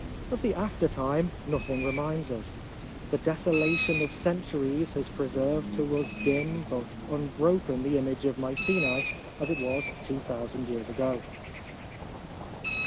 Of the after time nothing reminds us. The desola tion of centuries has preserved to us dim but unbroken the image of Mycenae as it was two thousand years ago.